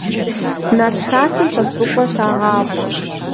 Нарт хасэм Сосрыкъуэ щагъафӀэ.